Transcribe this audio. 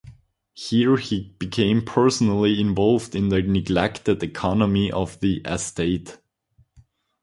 Here he became personally involved in the neglected economy of the estate.